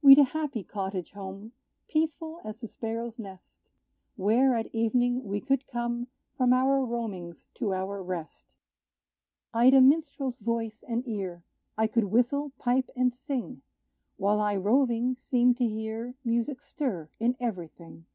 We'd a happy cottage home, Peaceful as the sparrow's nest, Where, at evening, we could come From our roamings to our rest. I'd a minstrel's voice and ear: I could whistle, pipe and sing, While I roving, seemed to hear Music stir in every thing.